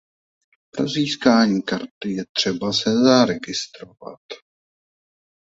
Pro získání karty je třeba se zaregistrovat.